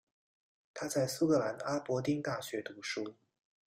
他在苏格兰阿伯丁大学读书。